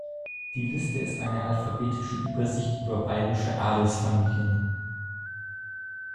Die Liste ist eine alphabetische Übersicht über bayerische Adelsfamilien.